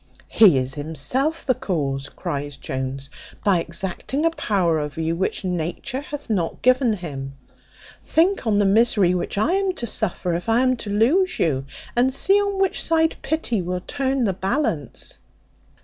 "He is himself the cause," cries Jones, "by exacting a power over you which Nature hath not given him. Think on the misery which I am to suffer if I am to lose you, and see on which side pity will turn the balance."